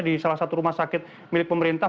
di salah satu rumah sakit milik pemerintah